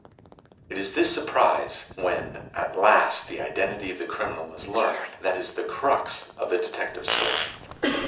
It is this surprise, when at last the identity of the criminal is learned, that is the crux of the Detective Story.